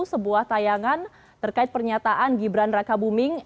sebuah tayangan terkait pernyataan gibran raka buming